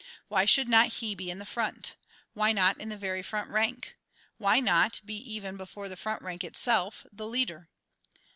Why should not he be in the front? Why not in the very front rank? Why not be even before the front rank itself the leader?